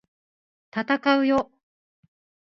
闘うよ！！